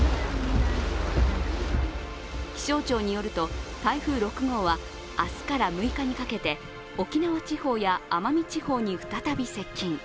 気象庁によると、台風６号は明日から６日にかけて沖縄地方や奄美地方に再び接近。